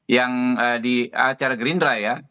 yang di acara gerindra ya